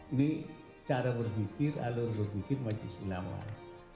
ini cara berpikir alur berpikir majis milamah